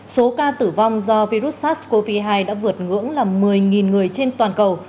số ca tử vong do virus sars cov hai đã vượt ngưỡng là một mươi người trên toàn cầu